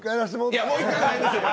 いや、もう１回はないんですよ。